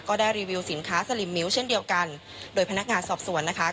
ก็ได้รีวิวสินค้าสลิมมิ้วเช่นเดียวกันโดยพนักงานสอบสวนนะคะ